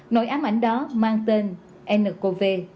nội ám ảnh đó mang tên ncov